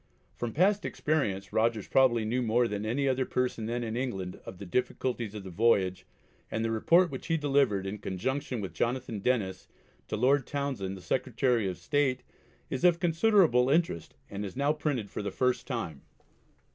From past experience Rogers probably knew more than any other person then in England of the difficulties of the voyage and the report which he delivered, in conjunction with Jonathan Denniss, to Lord Townshend the Secretary of State, is of considerable interest and is now printed for the first time.